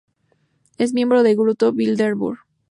Es miembro del grupo Bilderberg.